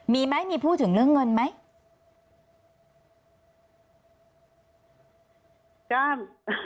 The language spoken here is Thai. มีไหมมีพูดถึงเรื่องเงินไหม